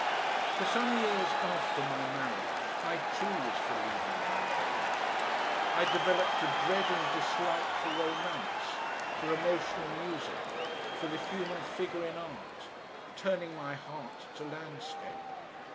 For some years after my marriage, I too was for leaving them alone. I developed a dread and dislike for romance, for emotional music, for the human figure in art turning my heart to landscape.